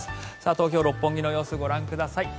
東京・六本木の様子ご覧ください。